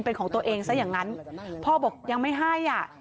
เป็นของตัวเองซะอย่างนั้นพ่อบอกยังไม่ให้อ่ะ